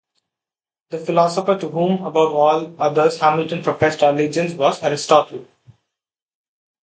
The philosopher to whom above all others Hamilton professed allegiance was Aristotle.